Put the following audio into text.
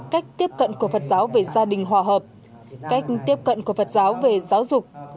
cách tiếp cận của phật giáo về gia đình hòa hợp cách tiếp cận của phật giáo về giáo dục